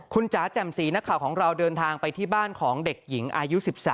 คุณจ๋าแจ่มสีนักข่าวของเราเดินทางไปที่บ้านของเด็กหญิงอายุ๑๓